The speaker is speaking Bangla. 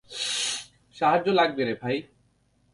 সাহায্য লাগবে রে ভাই!